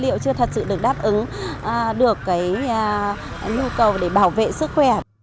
liệu chưa thật sự được đáp ứng được cái nhu cầu để bảo vệ sức khỏe